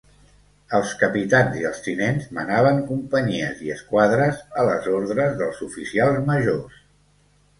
Els capitans i els tinents manaven companyies i esquadres a les ordres dels oficials majors.